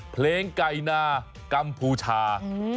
เพลงไก่นากัมพูชา